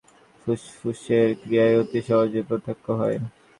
যত প্রকার ক্রিয়া আছে, তন্মধ্যে ফুসফুসের ক্রিয়াই অতি সহজে প্রত্যক্ষ হয়।